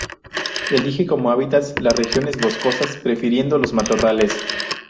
Elige como hábitats las regiones boscosas, prefiriendo los matorrales.